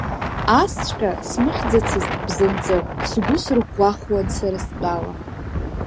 Асҵәҟьа смыхьӡацызт бзанҵы, сгәы сырӷәӷәахуан сара стәала…